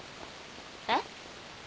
えっ？